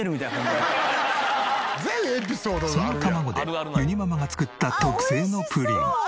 その卵でゆにママが作った特製のプリン。